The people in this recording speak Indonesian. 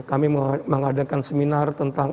kami mengadakan seminar tentang